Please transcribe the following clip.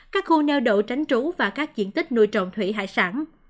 các khu neo đậu tránh trú và các diện tích nuôi trồng thủy hải sản